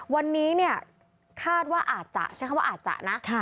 วันนี้เนี่ยคาดว่าอาจจะใช้คำว่าอาจจะนะ